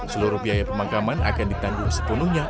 seluruh biaya pemangkaman akan ditandung sepuluhnya